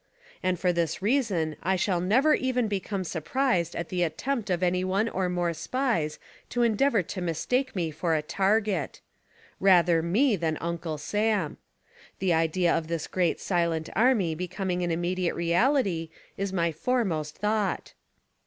And for this reason I shall never even become surprised at the attempt of any one or more SPIES to endeavor to mistake me for a target. Rather me than UNCLE SAM. The idea of this great "silent army" becoming an immediate reality is my foremost thought.